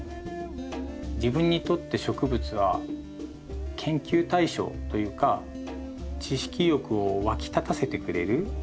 自分にとって植物は研究対象というか知識欲をわき立たせてくれる。